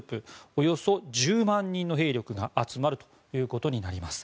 およそ１０万人の兵力が集まるということになります。